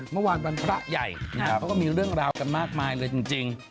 วันพระใหญ่เขาก็มีเรื่องราวกันมากมายเลยจริง